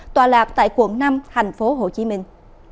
tòa lạc tại quận năm thành phố hồ chí minh